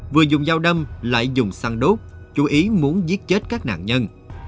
vừa dùng dao đâm lại dùng săn đốt chú ý muốn giết chết các nạn nhân